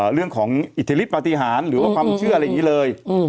เรื่องของอิทธิฤทธปฏิหารหรือว่าความเชื่ออะไรอย่างนี้เลย